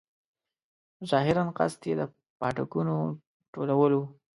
ظاهراً قصد یې د پاټکونو ټولول وو.